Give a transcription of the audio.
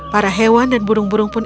para hewan dan burung burung pun